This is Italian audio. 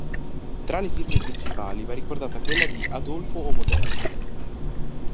Tra le firme principali va ricordata quella di Adolfo Omodeo.